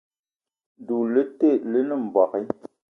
Doula le te lene mbogui.